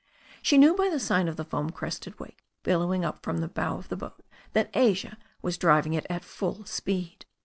She knew by the sig^ of the foam crested wake billow ing up from the bow of the boat that Asia was driving it at full speed.